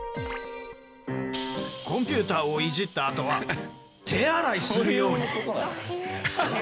コンピューターをいじったあとは手洗いするように！